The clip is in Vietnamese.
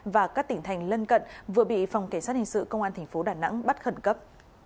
và các tỉnh thành lân cận vừa bị phòng kế sát hình sự công an tp đà nẵng bắt khẩn cấp